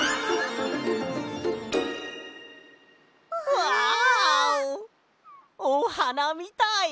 うわ！おはなみたい！